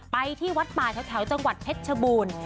ไปที่วัดป่าแถวจังหวัดเพชรชบูรณ์